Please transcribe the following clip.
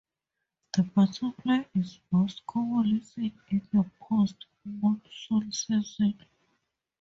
The butterfly is most commonly seen in the post monsoon season.